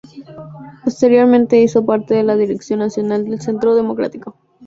Posteriormente hizo parte de la Dirección Nacional del Centro Democrático.